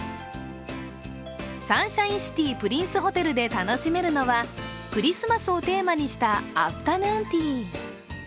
サンシャインシティプリンスホテルで楽しめるのはクリスマスをテーマにしたアフタヌーンティー。